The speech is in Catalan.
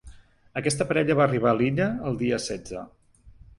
Aquesta parella va arribar a l’illa el dia setze.